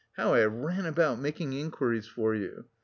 How I ran about making inquiries for you!